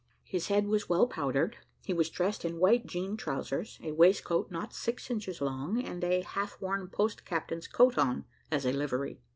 His head was well powdered, he was dressed in white jean trowsers, a waistcoat not six inches long, and a half worn post captain's coat on, as a livery.